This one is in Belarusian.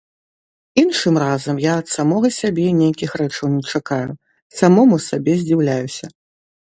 Іншым разам я ад самога сябе нейкіх рэчаў не чакаю, самому сабе здзіўляюся.